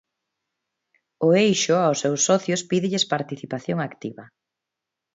O Eixo aos seus socios pídelles participación activa.